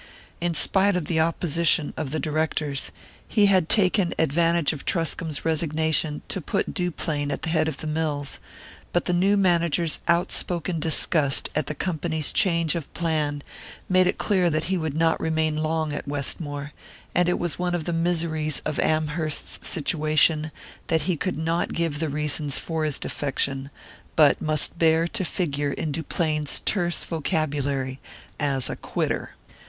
In spite of the opposition of the directors, he had taken advantage of Truscomb's resignation to put Duplain at the head of the mills; but the new manager's outspoken disgust at the company's change of plan made it clear that he would not remain long at Westmore, and it was one of the miseries of Amherst's situation that he could not give the reasons for his defection, but must bear to figure in Duplain's terse vocabulary as a "quitter."